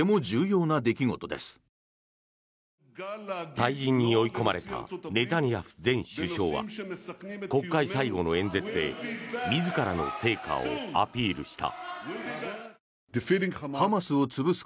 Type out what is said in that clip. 退陣に追い込まれたネタニヤフ前首相は国会最後の演説で自らの成果をアピールした。